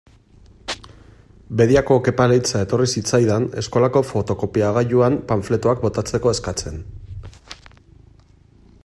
Bediako Kepa Leiza etorri zitzaidan, eskolako fotokopiagailuan panfletoak botatzeko eskatzen.